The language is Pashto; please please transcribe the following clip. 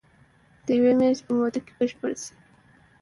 د يوې مياشتي په موده کي بشپړي سي.